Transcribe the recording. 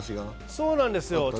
そうなんですよ。